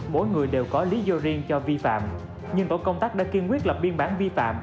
mỗi người đều có lý do riêng cho vi phạm nhưng tổ công tác đã kiên quyết lập biên bản vi phạm